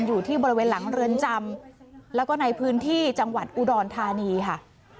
อยู่ที่บริเวณหลังเรือนจำแล้วก็ในพื้นที่จังหวัดอุดรธานีค่ะ